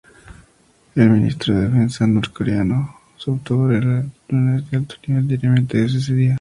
El ministro de defensa norcoreano sostuvo reuniones de alto nivel diariamente desde ese día.